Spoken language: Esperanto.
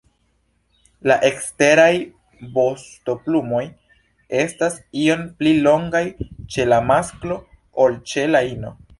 La eksteraj vostoplumoj estas iom pli longaj ĉe la masklo ol ĉe la ino.